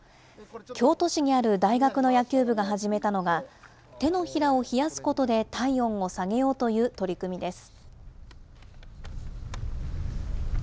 京都市にある大学の野球部が始めたのが、手のひらを冷やすことで体温を下げようという取り組みです。